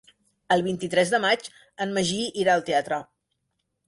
El vint-i-tres de maig en Magí irà al teatre.